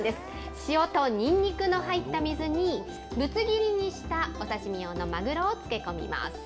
塩とにんにくの入った水に、ぶつ切りにしたお刺身用のマグロを漬け込みます。